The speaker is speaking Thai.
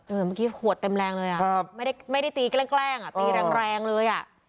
เมื่อกี้ขวดเต็มแรงเลยอ่ะไม่ได้ตีแกล้งอ่ะตีแรงเลยอ่ะ